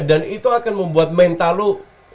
dan itu akan membuat mental lu